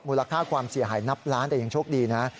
ค่าความเสียหายนับล้านแต่ยังโชคดีนะ